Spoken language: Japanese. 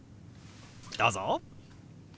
どうぞ！